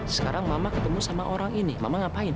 sekarang mama ketemu sama orang ini mama ngapain